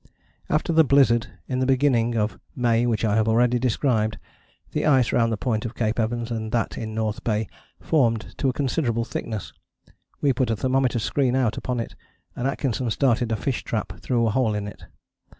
After the blizzard in the beginning of May which I have already described, the ice round the point of Cape Evans and that in North Bay formed to a considerable thickness. We put a thermometer screen out upon it, and Atkinson started a fish trap through a hole in it.